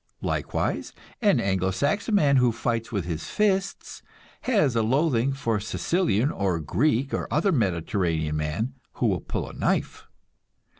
Likewise, an Anglo Saxon man who fights with the fists has a loathing for a Sicilian or Greek or other Mediterranean man who will pull a knife.